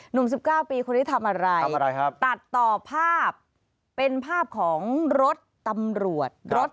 หนุ่ม๑๙ปีคนนี้ทำอะไรครับตัดต่อภาพเป็นภาพของรถตำรวจ